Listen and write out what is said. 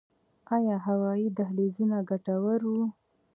آیا هوایي دهلیزونه ګټور وو؟